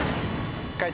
解答